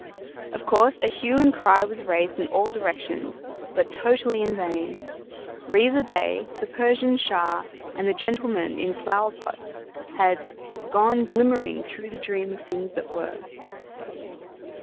Of course, a hue and cry was raised in all directions, but totally in vain. Riza Bey, the Persian Shah, and the gentlemen in flower pots, had "gone glimmering through the dream of things that were."